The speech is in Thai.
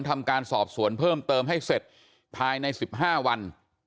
ทำการสอบสวนเพิ่มเติมให้เสร็จภายใน๑๕วัน